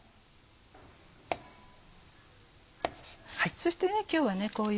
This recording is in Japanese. そして今日はこういう。